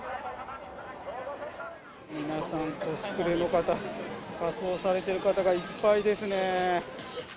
皆さん、コスプレの方、仮装されてる方がいっぱいですね。